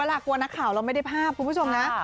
ล่ะกลัวนักข่าวเราไม่ได้ภาพคุณผู้ชมนะ